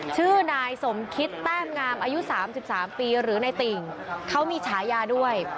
ชื่อนายสมคิดแต้มงามอายุ๓๓ปีหรือในติ่งเขามีฉายาด้วย